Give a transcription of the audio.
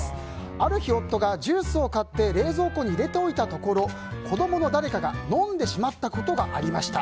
ある日夫がジュースを買って冷蔵庫に入れておいたところ子供の誰かが飲んでしまったことがありました。